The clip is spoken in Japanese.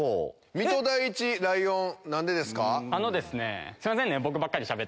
水戸第一「ライオン」何でですか？